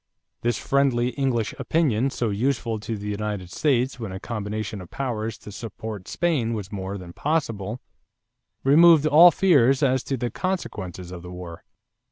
This friendly English opinion, so useful to the United States when a combination of powers to support Spain was more than possible, removed all fears as to the consequences of the war.